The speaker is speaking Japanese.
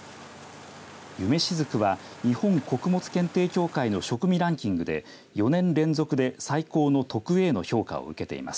夢しずくは日本穀物検定協会の食味ランキングで４年連続で最高の特Ａの評価を受けています。